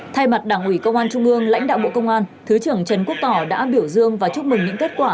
thay mặt đảng ủy công an trung ương lãnh đạo bộ công an thứ trưởng trần quốc tỏ đã biểu dương và chúc mừng những kết quả